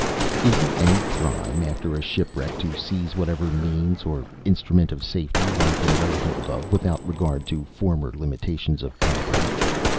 Is it any crime, after a shipwreck, to seize whatever means or instrument of safety one can lay hold of, without regard to former limitations of properly?